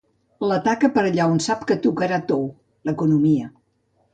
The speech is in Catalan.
L'ataca per allà on sap que tocarà tou: l'economia.